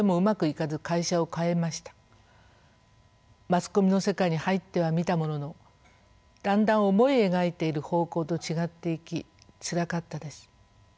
マスコミの世界に入ってはみたもののだんだん思い描いている方向と違っていきつらかったです。